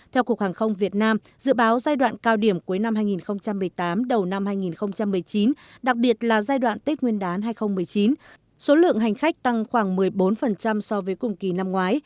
theo cục hàng không việt nam dự báo giai đoạn cao điểm cuối năm hai nghìn một mươi tám đầu năm hai nghìn một mươi chín đặc biệt là giai đoạn tết nguyên đán hai nghìn một mươi chín số lượng hành khách tăng khoảng một mươi bốn so với cùng kỳ năm ngoái